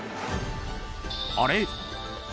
［あれ？］